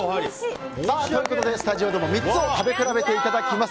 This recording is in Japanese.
スタジオでも、３つを食べ比べていただきます。